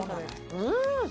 うん！